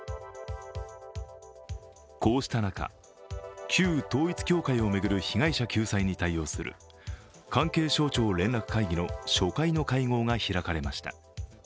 こうした中、旧統一教会を巡る被害者救済に対応する関係省庁連絡会議の初回の会合が開かれました。